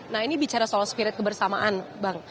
nah ini bicara soal spirit kebersamaan bang